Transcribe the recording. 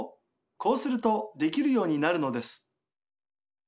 こうするとできるようになるのです。